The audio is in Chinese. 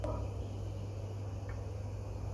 二籽薹草是莎草科薹草属的植物。